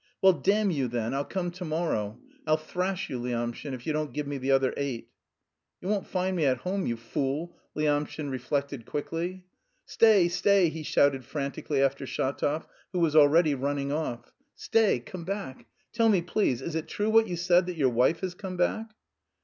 "Well, damn you, then, I'll come to morrow. I'll thrash you, Lyamshin, if you don't give me the other eight." "You won't find me at home, you fool!" Lyamshin reflected quickly. "Stay, stay!" he shouted frantically after Shatov, who was already running off. "Stay, come back. Tell me please, is it true what you said that your wife has come back?"